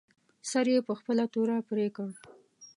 سر یې په خپله توره پرې کړ.